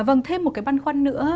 vâng thêm một cái băn khoăn nữa